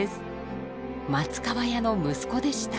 松川屋の息子でした。